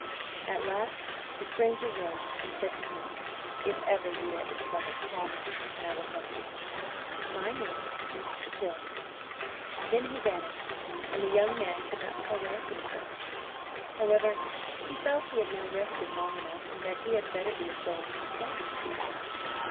At last the stranger rose, and said to him: "If ever you are in trouble call me, and I will help you. My name is Tritill." Then he vanished, and the young man could not tell where he had gone. However, he felt he had now rested long enough, and that he had better be going his way.